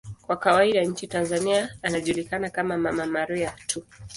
Kwa kawaida nchini Tanzania anajulikana kama 'Mama Maria' tu.